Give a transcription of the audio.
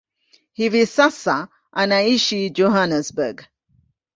Hivi sasa anaishi Johannesburg.